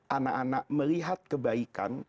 anak anak melihat kebaikan